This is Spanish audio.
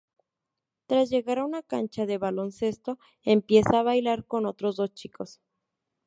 Tras llegar a una cancha de baloncesto, empieza a bailar con otros dos chicos.